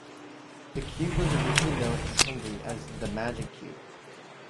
The cube was originally known in Hungary as the 'Magic Cube'.